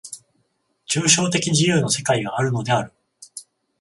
抽象的自由の世界があるのである。